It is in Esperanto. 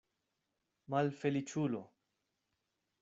Malfeliĉulo!